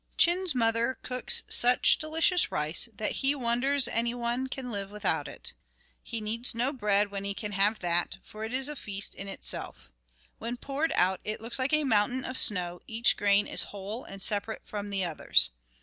Chin's mother cooks such delicious rice that he wonders any one can live without it. He needs no bread when he can have that, for it is a feast in itself. When poured out, it looks like a mountain of snow; each grain is whole and separate from the others.